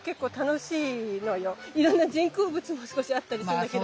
いろんな人工物も少しあったりするんだけど。